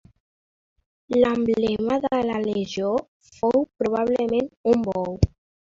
L'emblema de la legió fou, probablement, un bou.